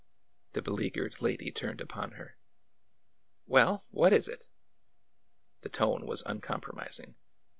The beleaguered lady turned upon her. ^'Well? What is it?" The tone was uncompromising.